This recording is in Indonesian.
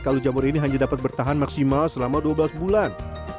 kaldu jamur ini hanya dapat bertahan maksimal selama dua belas bulan